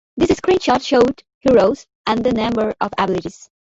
These screenshots showed heroes and a number of abilities.